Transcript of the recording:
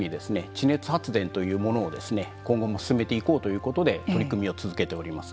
地熱発電というものを今後も進めていこうということで取り組みを続けております。